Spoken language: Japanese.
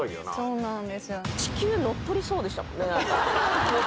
そうなんですよ。